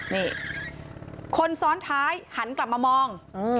นี่คนซ้อนท้ายหันกลับมามอง